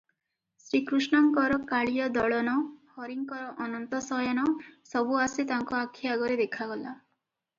ଶ୍ରୀକୃଷ୍ଣଙ୍କର କାଳୀୟଦଳନ, ହରିଙ୍କର ଅନନ୍ତ ଶୟନ, ସବୁ ଆସି ତାଙ୍କ ଆଖି ଆଗରେ ଦେଖାଗଲା ।